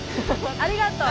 ありがとう。